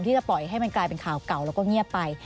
ที่จะปล่อยให้มันกลายเป็นข่าวเก่าแล้วก็เงียบไป